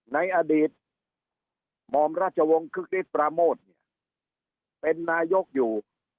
ในอดีตหม่อมราชวงศ์คึกฤทธิปราโมทเนี่ยเป็นนายกอยู่